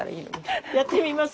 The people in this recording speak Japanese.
やってみます？